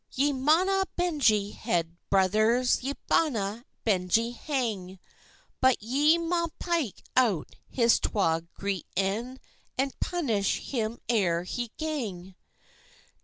"Ye maunna Benjie head, brothers, Ye maunna Benjie hang; But ye maun pike out his twa gray een. And punish him ere he gang.